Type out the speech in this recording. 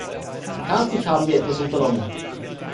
Bekanntlich haben wir etwas unternommen.